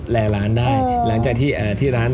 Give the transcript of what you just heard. ร้านได้หลังจากที่ร้าน